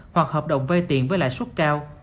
hoặc hợp đồng vay tiền với lại suất cao